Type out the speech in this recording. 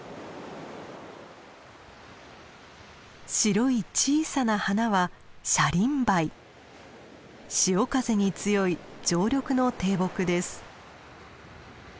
白い小さな花は潮風に強い常緑の低木です。